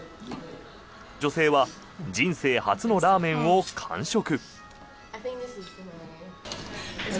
女性は人生初のラーメンを完食。